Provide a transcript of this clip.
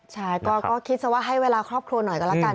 ใช่ก็คิดซะว่าให้เวลาครอบครัวหน่อยก็แล้วกัน